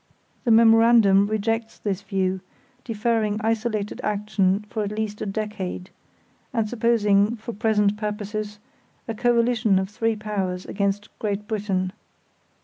The memorandum rejects this view, deferring isolated action for at least a decade; and supposing, for present purposes, a coalition of three Powers against Great Britain.